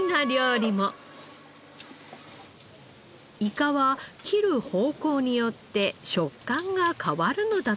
イカは切る方向によって食感が変わるのだとか。